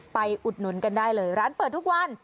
อุดหนุนกันได้เลยร้านเปิดทุกวัน